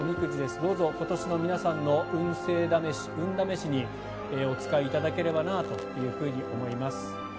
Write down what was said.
どうぞ今年の皆さんの運試しにお使いいただければなと思います。